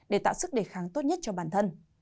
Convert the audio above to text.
để tạo sức đề kháng tốt nhất cho bản thân